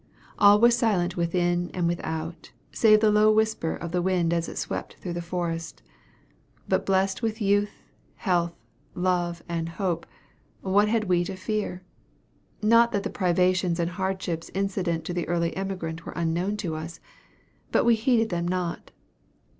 All was silent within and without, save the low whisper of the wind as it swept through the forest. But blessed with youth, health, love, and hope, what had we to fear? Not that the privations and hardships incident to the early emigrant were unknown to us but we heeded them not.